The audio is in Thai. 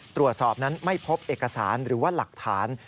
ตรวจสอบนั้นไม่พบเอกสารหรือว่าหลักฐาน